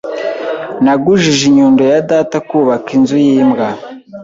Nagujije inyundo ya Data kubaka inzu yimbwa.